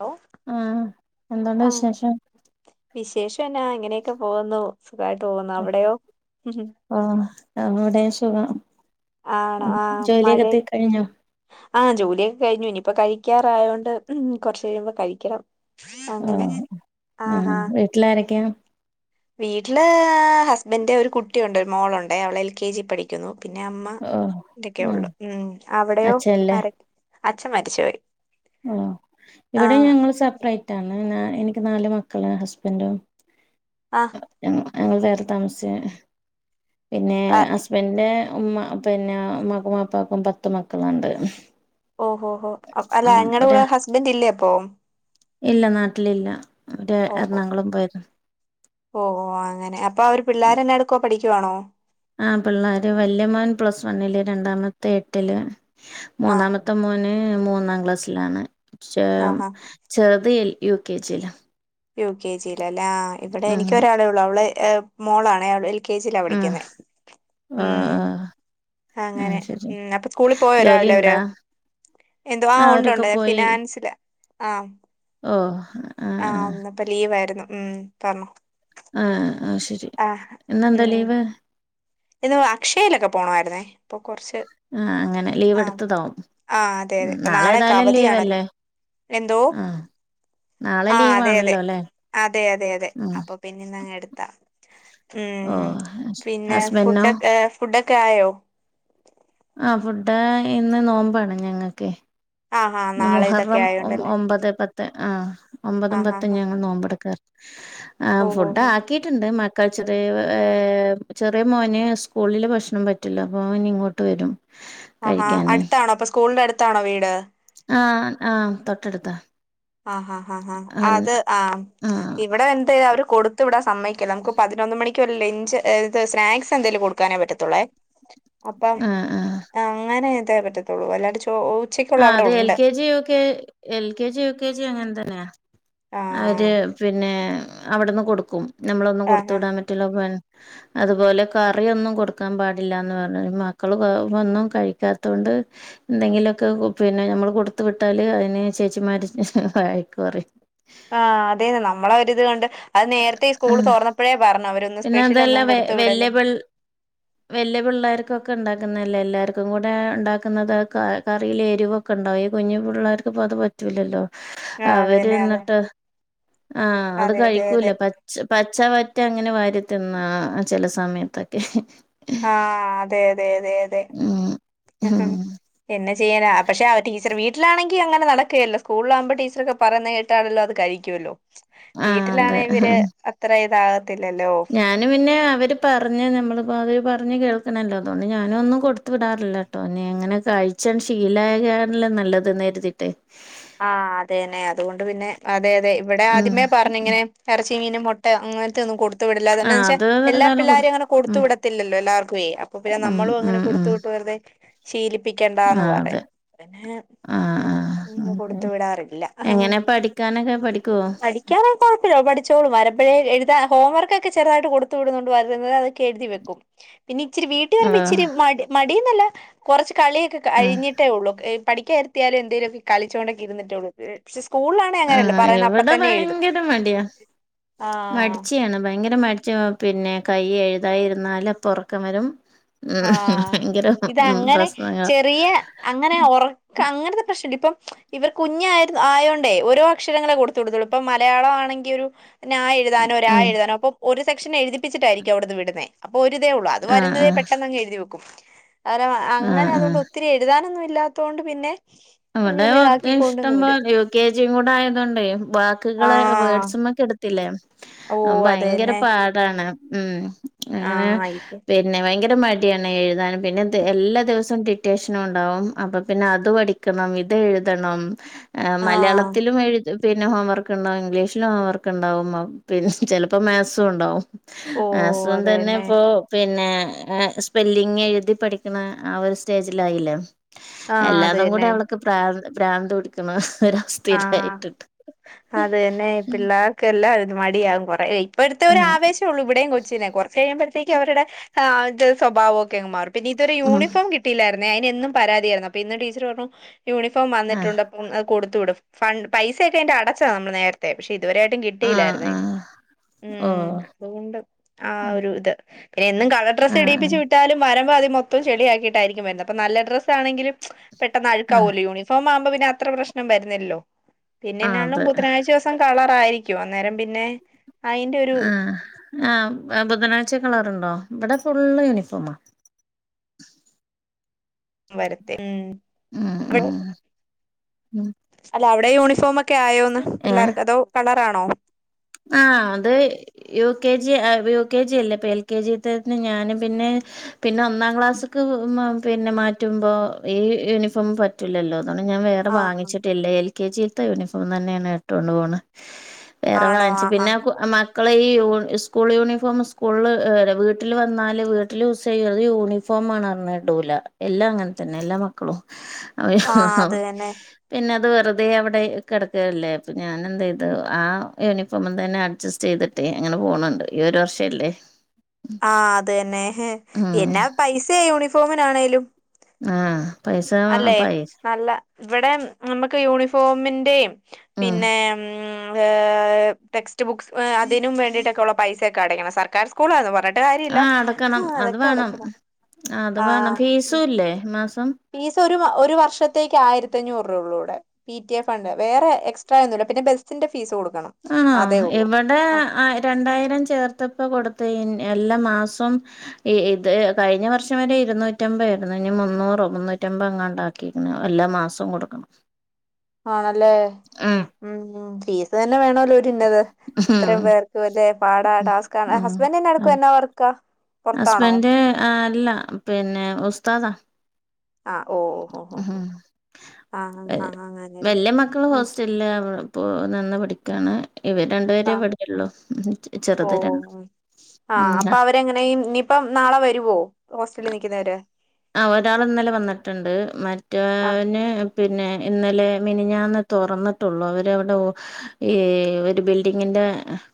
Hello ആ എന്തോണ്ട് ആഹ് വിശേഷം വിശേഷം എന്നാ ഇങ്ങനെയൊക്കെ പോകുന്നു സുഖായിട്ട് പോകുന്നു അവിടെയോ ആ അവിടെ സുഖം ആണോ ആഹ് മഴ ജോലിയൊക്കെ തീ കഴിഞ്ഞോ ആഹ് ജോലിയൊക്കെ കഴിഞ്ഞു ഇനിയിപ്പോ കഴിക്കാറായോണ്ട് ഉം കുറച്ചു കഴിയുമ്പോ കഴിക്കണം അങ്ങനെ ആണോ ആഹ് ആഹാ വീട്ടിലാരക്കെയാ വീട്ടില് ഹസ്ബൻറ്റ് ഒരു കുട്ടിയൊണ്ട് ഒരു മോളോണ്ടേ അവള് എൽ കെ ജി പഠിക്കുന്നു പിന്നെ അമ്മ ആഹ് ഇതക്കെയേ ആഹ് ഒള്ളു ഉം അവിടെയോ ആര അച്ഛൻ മരിച്ചുപോയി ഓഹ് ഇവിടെ ആഹ് ഞങ്ങള് സപ്രേ ട്ടാണ് നാ എനിക്ക് നാല് മക്കള് ഹസ്ബൻറ്റും ആഹ് ഞങ്ങള് വേറെ താമസ്ച്ച് പിന്നെ ഹസ്ബൻറ്റിന്റെ ഉമ്മ പിന്നെ ഉമ്മാക്കും ബാപ്പക്കും പത്തു മക്കളോണ്ട് ഓഹോ ഹോ ഹോ അല്ല ഇങ്ങടെ കൂടെ ഹസ്ബൻറ്റില്ലേ അപ്പോം ഇല്ല നാട്ടിൽ ഇല്ല അവര് എറണാകുളം പോയേക്കാ ഓഹ് ഓഹ് ആ അങ്ങനെ അപ്പോ അവര് പിള്ളേര് എന്നാടുക്കുവാ പഠിക്കുവാണോ ആഹ് പിള്ളാര് വല്യമോൻ പ്ലസ് വണ്ണില് രണ്ടാമത്തെ എട്ടില് ആഹ് മൂന്നാമത്തെ മോന് മൂന്നാം ക്ലാസ്സിലാണ് ആഹാ [unintelligible] ചെറു ത് യു കെ ജി ലാ യു കെ ജിലല്ലേ ആഹ് ഇവിടെ എനിക്ക് ഒരാളേ ഒള്ളു അവള് ഏഹ് മോളാണേ അവള് എൽ കെ ജി ലാ ഉം പഠിക്കുന്നെ ഉം ആഹ് ആഹ് അങ്ങനെ ശരി ഉം അപ്പോ സ്കൂളി പോയോ രാവിലെ അവര് ജോലിണ്ടാ എന്തുവാ ആഹ് ഒണ്ട് അവരൊക്കെ ഒണ്ട് പോയി ഫിനാൻസില് ആം ഓഹ് ആഹ് ആഹ് ലീവാരുന്നു ഉം പർണോ ആഹ് ആഹ് ശെരി ഇന്നെന്താ ഉം ലീവ് ഇന്ന് അക്ഷലൊക്കെ പോണവാരുന്നേ അപ്പോ കൊറച്ച് ആഹ് അങ്ങനെ ലീവ് ആം എടുത്തതാവും ആഹ് അതെ ഉം അതെ ഇപ്പോ നാളെ നാളെയൊക്കെ ഏതായാലും അവധിയണല്ലോ ലീവല്ലേ എന്തോ ആഹ് നാളെ ആഹ് അതെ അതെ ലീവാണല്ലോ അല്ലേ അതെ അതെ അതെ ഉം അപ്പോ പിന്നെന്നങ്ങ് എടുത്താ ഉം ഓഹ് പിന്നെ ഹസ്ബൻഡിനോ ഫുഡ്ഡൊക്കെ ഫുഡ്ഡൊക്കെ ആയോ ആഹ് ഫുഡ് ഇന്ന് നോമ്പാണ് ഞങ്ങക്കേ ആഹ് ആഹ് ഇന്ന് നാളെ ഇതൊക്കെ മുഹറം ഒം ആയോണ്ടല്ലേ ഒമ്പതെ പത്തെ ആഹ് ഒമ്പതും ആഹ് ആഹ് പത്തും ആഹ് ഞങ്ങ നോമ്പെടുക്കാ ആഹ് ഓഹ് ഓഹ് ഓഹ് ഫുഡ്ഡാക്കിയിട്ടിണ്ട് മ കഴ്ച്ചത് ഏഹ് ചെറിയ മോന് സ്കൂളില് ഭക്ഷണം പറ്റില്ല അപ്പൊ അവനിങ്ങോട്ട് വരും. ആഹാ കഴിക്കാനേ അടുത്താണോ അപ്പൊ സ്കൂളിന്റെ അടുത്താണോ വീട് ആ ആ തൊട്ടടുത്താ ആ ഹാ ഹാ ഹാ ആ അത് ആഹ് ആ ഇവിടെ എന്ത്‌ അവര് കൊടുത്ത് വിടാൻ സമ്മയക്കില്ലാ നമുക്ക് പതിനൊന്ന് മണിക്ക് ഒരു ലഞ്ച് ഇത് സ്നാക്സ് എന്തേങ്കിലും കൊടുക്കാനേ പറ്റത്തുള്ളേ അപ്പം ആ ആ അങ്ങനെയതേ പറ്റത്തുള്ളൂ അല്ലാണ്ട് ചു ആ അത് L K G U K L K G U K G അങ്ങനെ തന്നെയാ അവര് ആഹ് പിന്നെ അവിടുന്ന് കൊടുക്കും നമ്മളൊന്നും ആഹ് കൊടുത്തു ആഹ് വിടാൻ പറ്റില്ല പ അതുപോലെ കറിയോന്നും കൊടുക്കാൻ പാടില്ലാന്ന് പറഞ്ഞു മക്കള് ഒന്നും കഴിക്കാത്ത കൊ എന്തെങ്കിലുമൊക്കെ പിന്നെ നമ്മള് കൊടുത്തു വിട്ടാല് അതിന് ചേച്ചിമാര് വഴക്കു പറയും ആ അതെന്ന് നമ്മളെ ഒരി ഇത് കണ്ട് അത് നേരത്തെ ഈ സ്കൂള് ആഹ് തോർന്നപ്പോഴേ പറഞ്ഞു അവരൊന്നും സ്പെഷ്യലോന്നും കൊടുത്തു വിടല്ലാന്ന് വല്ല്യ പിള്ളേർക്കൊക്കെ ഇണ്ടാക്കുന്നല്ലേ എല്ലാവർക്കും കൂടെ ഇണ്ടാക്കുന്നത് കറിയില് എരിവൊക്കെ ഇണ്ടാവും ഈ കുഞ്ഞു പിള്ളേർക്ക് പ പറ്റൂലല്ലോ ആഹ് അത് അവര് തന്നെ അതെ എന്നിട്ട് ആഹ അത് അതെ അതെ അതെ കഴിക്കൂല പ പച്ച വറ്റ അങ്ങനെ വരു ന്ന ചില സമയത്തൊക്കെ ആ അതെ അതെ അതെ അതെ ഉം ഉം എന്നെ ചെയ്യനാ പക്ഷെ ആ ടീച്ചർ വീട്ടിലാെങ്കിൽ അങ്ങനെ നടക്കുകയല്ല സ്കൂളിലകുമ്പോ ടീച്ചറൊക്കെ പറയ കേട്ടാണല്ലോ അത് കഴരിക്കുമല്ലോ ആഹ് വീട്ടിലാണ് ഇവര് അത്ര ഇതാക ഞാനും പിന്നെ അവര് പറഞ്ഞ നമ്മളപ്പോതര് പറ പറഞ്ഞു കേൾക്കണല്ലോ അതുകൊണ്ട് ഞാനൊന്നും കൊടുു വിടാറില്ല കേട്ടോ ഇനി എങ്ങനെ കഴിച്ചൻ ശീല നല്ലത്ന്ന എരുതിട്ട് ആഹ അതെന്നെ അതുകൊണ്ട് പിന്നെ അതെ അതെ ഇവിടെ ഉം ആദ്യമേ പറഞ്ഞ ഉം ഇങ്ങനെരച്ച ചീനൻ മുട്ട അങ്ങനത്തൊന്നും കൊടുത്ത് കൊത്ത വിടില്ലതാന്ന് ആഹ് വൊ അത് എല്ലാ ഏതായാലും കൊടു പിള്ളാരും അങ്ങന കൊടുത്ത ഉം വിടല്ലോ എല്ലർക്കേ അപ്പൊ പിന്ന ഉം നമ്മും അങ്ങനെ ഉം ഉം കൊടുത്തു വിട്ട അതെ പ്പിക്കണ്ടന്ന് ആഹ് അതെ പറയാ ആഹ് ആഹ് പിന്ന അതെ കൊടുത്ത വിടാറില്ല എങ്ങനെ പഠിക്കാനൊക്കെ പഠിക്കുവോ പഠിക്കാൻ കുഴപ്പില്ല പഠിച്ചോളൂ വരുമ്പഴേ എഴുതാ ഹോംവർക്ക ചെറുതായിട്ട് കൊടുത്തു വിടുന്നുണ്ട് വരുന്നത് അക്കെ എഴുതി വെക്കും പിന്നെ ഇച്ചിരി വീട്ടിൽ വരുമ്പോ ആഹ് ഇച്ചിരി മടി മടന്നല്ല കുറച്ച് കളിയൊക്കെ ആഹ് കഴിഞ്ഞിട്ടേ ഉള്ളൂ പഠിക്കാരുത്തിയാലും എന്തെങ്കലും ഒക്കെ കളിച്ചുകണ്ടക്കെ ഇരിട്ടുള്ളൂ ആഎവിടെ ഭയങ്കര മടിയാ ആഹ് മടിച്ചിയാണ് ഭയങ്കര മട പിന്നെ കൈ എഴുതായിരുന്നാല അപ്പൊറക്കം വരും ഉം ആ ഭയങ്കര ഉം ഇതങ്ങനെ പ്രശ്നങ്ങളാ ചെറിയ അങ്ങനെ ഉറക്ക അങ്ങനത്തെ പ്രശ്നം ഇപ്പം ഇവർ കുഞ്ഞ ആയോണ്ടേ ഓരോ അക്ഷരങ്ങളെ കൊടുത്തു കൊടുത്തളൂ ഇപ്പം മലയാളം ആണെങ്ക ഏ ആ എഴുതാനോ ഒ ആ ഉം എഴുതാനോ അപ്പൊ ഒരു സെക്ഷനെ എഴുതിപ്പിച്ചിട്ടായിരിക്കും അവിടന്ന് വിടുന്നേ പ ഒരുതേള്ളൂ അത് ആഹ് വരുന്നതേ ആഹ് പ എതി വെക്കും കണം അങ്ങനെ ആഹ് അതുകൊണ്ട് ആഹ് ഒത്തിരി എഴുതാനൊന്നും ഇല്ലാത്തൊണ്ട് പിന്നെ അവിടെ അങ്ങനെ ഒത്ര ഇഷ്ടം ഇതാക്കിക്കൊണ്ടന്ന് പോോ വരും യു കെ ജിയും കൂടെ ആയതൊണ്ട് ബാക്കുകള് ആഹ് വേഡ്സക്കെ ത്തില്ലേ ഓ അത് ഭയങ്കര തന്നെ പാടാണ് ഉം അങ്ങനെ ആഹ് ഇത് പിന്നെ ഭയങ്കര മടിയാണ് എഴുതാൻ പിന്നെ എല്ലാ ദിവസവും ഡിറ്റഷനും ഉണ്ടാവും അപ്പൊ പിന്നെ അത് പഠ ണം ഇത് എഴുതണം ആഹ് മലയാളത്തിലും എഴു പിന്നെ ഹോംവർക്ക് ഉണ്ടാവും ഇംഗ്ലീഷിലും ഹോംവർക്ക് ഉണ്ടാവും പി ചിലപ്പോ മാത്സും ഉണ്ടാവും ഓ ആസുഖം തന്നെ ഇപ്പോ പിന്നെ സ്പെല്ലിങ് എഴുതി പഠിക്കണ ആ ഒരു സ്റ്റേജിലായില്ലേ ആ അതെ അതും കൂടി അവൾക്ക് ബ്രാൻ ബ്രാൻഡ് എടുക്കണം ആഹ അത് തന്നെ പിള്ളേർക്ക്ല്ലാം മടിയകും കൊറേ ഇപ്പടുത്തെ ഒരു ഉം ആവശം ഉള്ള ഇവിടെയും കൊച്ചിനനെ കുറച്ച് കഴിയുമ്പോഴത്തേക്കക്ക് അവരുടെ ആഹ്ത് സ്വഭാവംൊക്കെങ് മാറും പിന്നെ ഇതൊരു ഉം യൂണിഫം കിട്ടയില്ലായിരുന്നു അ അയിന് എന്നും പരാതിയായിരുന്നു അപ്പൊ ഇന്ന് ടീച്ചർ പറഞ്ഞു യൂണിഫോം ആ വന്നിട്ടുണ്ട് അപ്പ അത് കൊടുു വിടും ഫ പൈസ ഒക്കെ അതിന്റെ അടച്ചതാണ് നമ്മൾ നേരത്തെ പക്ഷെ ഇതുവരായിട്ടും ആ കിട്ടിയില്ലായിരുന്നേ ആ ഓ ഉം അതുകൊണ്ട് ആ ഒരു ഇത് പിന്നെ എന്നും കള ഡ്രസ്സ് ആഹ് എടിയിപ്പിച്ച് വിട്ടാലും മരമ്പാതി മൊത്തംെള ആഹ് അ പ്രശ്നം വരുന്നല്ലോ ആഹ് ആഹ് അത് പിന്നുംുധനാഴ് ദിവസം കളറയിരിക്ക അന്നേരം പിന്നെ അയിന്റെ ഒരു ആ ആ ബുധനാഴ്ച പച്ച കളർുണ്ടോ ഇവിടെ ഫുള് യൂണിഫോ ര ഉം ഉം ഉം അല്ല അവിടെ യൂണിഫോം ഒക്കെ ഒക്കെ ആയോന്ന് പിള്ളേർക്ക് അതോ കളറാണോ ആഹ അത് U K G U K G അല്ലേ ഇപ്പ എൽ കെ ജി ഞാനും പിന്നെ പിന്നെ ഒന്നാം ക്ലാസ് പിന്നെ മാറ്റുമ്പോ ഈ യൂണിഫോം പറ്റില്ലല്ലോ അതുകൊണ്ട് ഞാൻ വേറെ ആഹ് വാങ്ങിച്ചിട്ടില്ലേ എൽ കെ ജിയിലത്തെ യൂണഫോം തന്നെയാണ് ഇട്ടുകൊണ്ട് പോകണ് വേറെ ആണോ വാങ്ങിച്ചു ആഹാ പിന്നെ മക്കളെ ഈ യൂ സ്കൂൾ യൂണിഫോം സ്കൂളിൽ വീട്ടിൽ വന്നാല് വീട്ടിൽ യൂസ് ചെയ്യത് യൂണിഫോം പ്പമാ പറഞ്ഞ ഡൂല എല്ലാം അങ്ങനെ തന്നെ എല്ലാ മക്കളും അ ആഹ് അത് [unintelligible] തന്നെ പിന്നെ അത് വെറുതെ അവിടെ കിടക്കല്ലേ അപ്പ ഞാൻ എന്ത് ചെയതു ആ യൂ ഇപ്പ്തന്നെ അഡ്ജസ്റ്റ് ചെയ്തിട്ടേ അങ്ങനെ പോണണ്ട് ഈ ഒരു വർഷംല്ലേ ആ അത് തന്നെ എന്നാ പൈസയാ യൂണിഫോമിനാണേലും ആ അല്ലേ നല്ല ഇവിടെ നമക്ക് യൂണിഫോമിന്റെയും ഉം പിന്നെ ഉ ടെക്സ്റ്റ് ബുക്സ് അതിനും വേണ്ടിട്ടൊക്കെ ഉള്ള പൈസയൊക്കെ അടയ്ക്കണം സർക്കാർ സ്കൂളെന്ന് പറഞ്ഞി് ട്ട് കാര്യല്ല ആഹ് അടക്കണം അത് അതൊക്കെ വേണം അടക്കണം അത് ആ വേണം ഫീസും ഇല്ലേ മാസം ഫീസ് ഒരു ഒരു വർഷത്തേക്ക് ആയിരത്ത അഞ്ഞൂറ് രൂപ ഉള്ളൂടെ പി ടി ഫണ്ട് വേറെ എക്സ്ട്രാ ഒന്നും പിന്ന ബസിന്റെ ഫീസ് കൊടുക്കും ആ ഇവിടെ രണ്ടായിരം ചേർത്തപ്പ കൊടുത്ത എല്ലാ മാസവും ഈ ഇത് കഴിഞ്ഞ വർഷം വരെ ഇരുന്നൂറ്റമ്പ ആയിരുന്നു ഇ മുന്നൂറോ മുന്നൂറ്റ [unintelligible] ഉണ്ടാക്കി എല്ലാ മാസം കൊടുക്കണം ആണല്ലേ ഉം ഉം ഫീസ് തന്നെ വേണല്ലോ ഒരിന്നത് ഉം ഇത്രയും പേർക്കും ഇതെ പാടാ ഉം ടാസ്ക് ഹസ്ബൻഡ തന്നെ ഉം. എടുക്കും എന്നാ വർക്കാ പുറത്താണോ ഹസ്ബൻഡ് ആ അല്ല പിന്നെ ഉസ്താദാ ആ ഓ ഓ ഓ ഓ ഹ വലിയ മക്കള് ഉം ഹോസ്റ്റലില് ഇപ്പോ നിന്ന് പഠിക്കാണ് ഇവ രണ്ടു പേരെ ആ എവിടെയള്ളു ഓ ചെറുത് രണ്ട് ആ ഉം അപ്പൊ അവരെങ്ങനെ ഇനിയിപ്പ നാളെ വരുവോ ഹോസ്റ്റലിൽ നിൽിക്കുന്നവരെ ആ ഒരാൾ ഇന്നലെ വന്നിട്ടുണ്ട് ആ മറ്റൊന് പിന്നെ ഇന്നലെ മിനഞ്ഞ തുറന്നിട്ടുള്ള അവടെ ഒരു ഈ ബിൽഡിങ്ന്റെ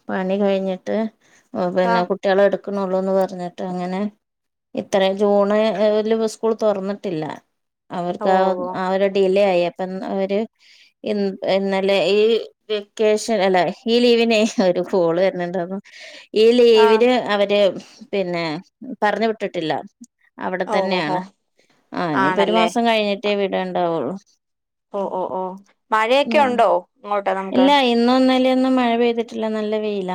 പ പണി കഴിഞ്ഞിട്ട് ആ പിന്നെ കുട്ടികളെ എടുക്കണള്ളോന്ന് പറഞ്ഞിട്ട് അങ്ങനെ ഇത്രയും ജൂണ് സ്കൂൾ തുറന്നിട്ടില്ല ഓ അവർക്ക് ഡിലേ ആ അ അവര് ഇന്നലേ ഈ വെക്കേഷൻ അല്ല ഈ ലീവിനെ കോള് വരുന്നുണ്ട് അപ്പം ഈ ആ ലീവിന് അവര് പിന്നെ പറഞ്ഞ വിട്ടിട്ടില്ല അ ഓ ഓ തന്നെയാണ് ആ ഇനിയിപ്പോ ഒരു ആണല്ലേ മാസം കഴിഞ്ഞിട്ടേ വിട ഉണ്ടാവുള്ളു ഓഓ ഓ മഴയൊക്കെ ഉണ്ടോ ഇങ്ങോട്ട് നമുക്ക് ന്നും മഴ പെയ്തിട്ടില്ല നല്ല വെയയില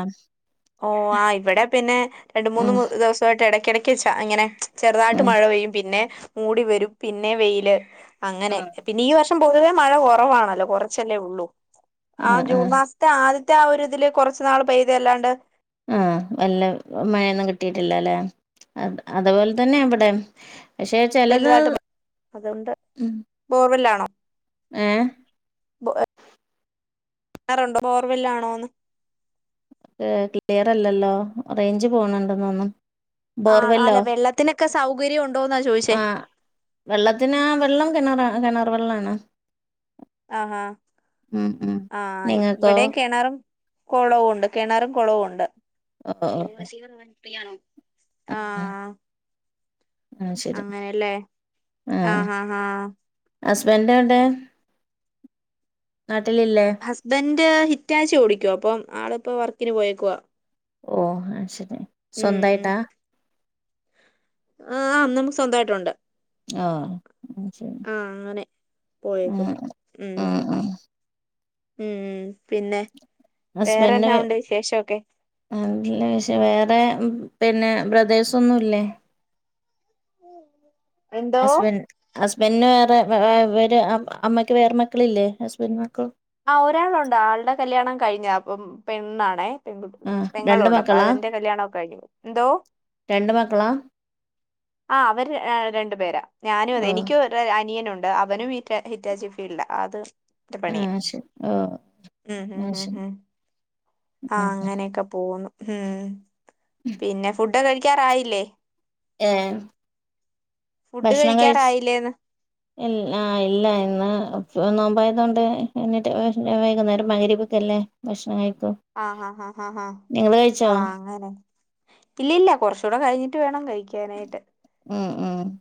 ഓ ആ ഇവിടെ പിന്നെ രണ്ട മൂന്ന് ഉം ദിവസമായിട്ട് ഇടക്കിടക്ക് വെച്ചാ അങ്ങനെ ചെറുതായിട്ട് ഉം മഴ പെയ്യും പിന്നെ മൂടി വരും പിന്നെ വെയില് ആ അങ്ങനെ പിന്നെ ഈ വർഷം പക്ഷെ പൊതുവേ മഴ കുറവാണല്ലോ കുറച്ചല്ലേ ഉള്ളൂ ആ ജൂൺ മാസത്തെ ആദ്യത്തെ മറ്റ ആ ഒരുരിതില് കുറച്ച് നാൾ പെയ്ത അല്ലാണ്ട് ആ വല്ല മഴയൊന്നും കിട്ടിയിട്ടില്ല അല്ലെ അ അതുപോലെ തന്നെ ഇവിടെ പക്ഷെ ചിലത് വലുതായിട്ട് മ- അതുകൊണ്ട് ഉ ഏ ബ [unintelligible] കാറുണ്ടോ [unintelligible] ബോർവില്ലാണോന്ന് ഏ ക്ലിയർ അല്ലല്ലോ റേഞ്ച് പോണണ്ടന്നൊന്നും ആണോ അല്ലെ വെള്ളത്തിനൊക്കെ സൗകര്യം ഉണ്ടോ എന്നാ ചോദിച്ചേ വെള്ളത്തിന വെള്ളം കിണർ കിണർ വെള്ളണോ ആ ഉം ആ നിങ്ങൾക്കോ ഇവിടെയും കിണാറും കുളവുംഉണ്ട് കിണാറും കുളവുംണ്ട് ഓ ഓ ഓ. ആ ആ, ശരി അങ്ങനെയല്ലേ ആഹ ആ ആഹ ഹസ്ബൻഡടെ നാട്ടിലില്ലേ റ്റ് ഹിറ്റാച്ചി ഓടിക്കുവാ അപ്പൊ ആളിപ്പോ വർക്കിന് പോയേക്കുവ ഓഹ് അത് ശരി സ്വന്തായിട്ടാ ആം നമുക്ക് സ്വന്തമായിട്ടുണ്ട് ആഹ് ആഹ് അങ്ങനെ ഉം പോയേക്കുന്നു ഉം ഉം പിന്നെ വേറെന്നാ ഹസ്ബൻഡല്ല ഉണ്ട് വിശേഷൊക്കെ വേറെ പിന്നെ ബ്രദേഴ്സ് ഒന്നും ഇല്ലേ എന്തോ ഹസ്ബൻഡ് ഹസ് പിന്നെ വേറെര് അമ്മയ്ക്ക് വേറെ മക്കളില്ലേ ഹസ്ബൻഡ മക്കള ആഹ് ഒരാളുണ്ട് ആളുടെ കല്യാണം കഴിഞ്ഞതാ അപ്പം പെണ്ണാണെ ആഹ് രണ്ട് പെങ്ങളുണ്ട് അപ്പൊ മക്കളാ അതിന്റെ കല്യാണൊക്കെ കഴിഞ്ഞും എന്തോ രണ്ട് മക്കളാ ആഹ് അവര് ര രണ്ടു പേരാ ഞാനും അതെ ഓ എനിക്കും ഒര് അനിയനൊ ണ്ട് അവനും ഹിറ്റ ഹിറ്റാജി ഫീൽഡ് അത് ന്റെ പണിയ ആഹ് ഇം ശരി ഓ ഇഹ് ആഹ് ഇഹ് ശരി ഹ് ആ ഉം അങ്ങനെയൊക്കെ പോന്നു ഉം പിന്നെ ഫുഡൊക്കെ കഴിക്കാറായില്ലേ ഏഹ് ഫുഡ് ഭക്ഷണം കഴിച് കഴിക്കാറായില്ലേന്ന് ഇൽ ആഹ് ഇല്ലാ ഇന്ന് നോമ്പായതുകൊണ്ട് എന്നിട്ട് വൈകുന്നേരം ഭയങ്കര [unintelligible] ഭക്ഷണം കഴി ആഹ് ആഹ് ഹാ ഹാ ഹാ ആഹ് അങ്ങനെ ഇല്ലല്ല കുറച്ചൂടെ കഴിഞ്ഞിട്ട് വേണം കഴിക്കാനായിട്ട്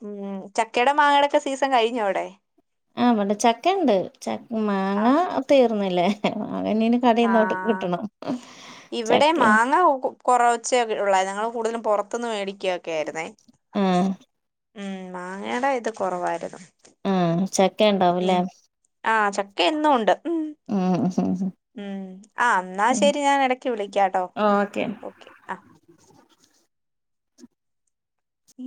ഉം ചക്കേടേം മാങ്ങേടക്കെ സീസൺ കഴിഞ്ഞോ അവിടെ ആ വേണ്ട ചക്ക ഉണ്ട് ച മാങ്ങ ആഹ് തീർന്നില്ലേ അതിനിനി കടേന്നു തൊട്ട് കിട്ടണം ഇവിടേം ചക്കയും മാങ്ങ കൊ കൊറച്ചേ ഒള്ളായിരുന്നു ഞങ്ങള് കൂടുതലും പൊറ ത്ത്ന്ന് മേടിക്കൊക്കെ ആയിരുന്നെ ആഹ് ഉം മാങ്ങയുടെ ഇത് കുറവായിരുന്നു. ഇം ചക്ക ഇണ്ടാവൂല്ലേ? എന്നൂണ്ട്. ഉം ഉഹും ഉം ആഹ് എന്നാ ശെരി ഞാൻ ഇടക്ക് വിളിക്കാട്ടോ ഓക്കെ ഓക്കെ ആഹ് ആഹ്